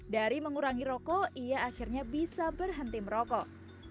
dari mengurangi rokok ia akhirnya bisa berhenti merokok